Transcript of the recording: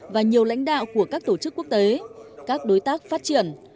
và nhiều lãnh đạo của các tổ chức quốc tế các đối tác phát triển